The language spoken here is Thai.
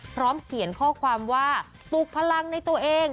พร้อมเขียนข้อความว่าปลุกพลังในตัวเอง